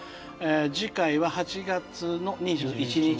次回は８月の２１日ですね。